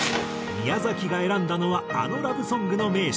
宮崎が選んだのはあのラブソングの名手。